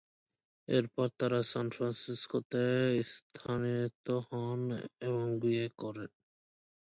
এরপর তারা সান ফ্রান্সিসকোতে স্থানান্তরিত হন এবং বিয়ে করেন।